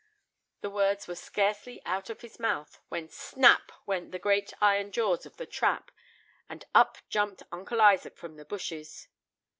The words were scarcely out of his mouth, when snap went the great iron jaws of the trap, and up jumped Uncle Isaac from the bushes.